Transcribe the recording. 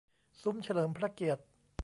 ซุ้มเฉลิมพระเกียรติ